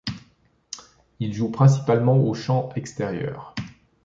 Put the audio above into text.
Il joue principalement au champ extérieur.